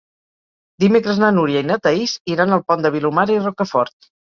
Dimecres na Núria i na Thaís iran al Pont de Vilomara i Rocafort.